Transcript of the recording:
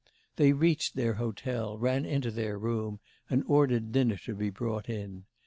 They reached their hotel, ran into their room, and ordered dinner to be brought in.